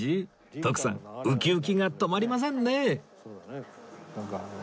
徳さんウキウキが止まりませんね